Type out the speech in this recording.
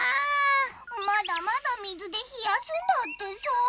まだまだ水でひやすんだってさ。